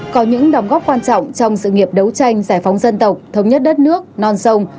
có những đóng góp quan trọng trong sự nghiệp đấu tranh giải phóng dân tộc thống nhất đất nước non sông